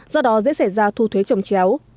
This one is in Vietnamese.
do đó dễ xảy ra thu thuế trồng chéo